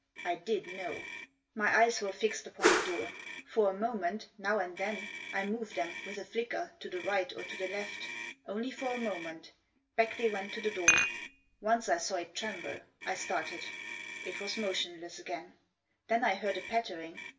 I did know. My eyes were fixed upon the door. For a moment, now and then, I moved them, with a flicker, to the right or to the left. Only for a moment Back they went to the door. Once I saw it tremble. I started. It was motionless again. Then I heaitl a pattering.